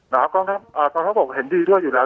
นะครับกรรมทัพ๖เห็นดีด้วยอยู่แล้ว